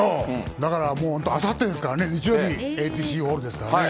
だからもう、あさってですからね、日曜日、ＡＴＣホールですからね。